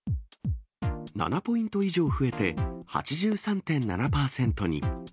７ポイント以上増えて、８３．７％に。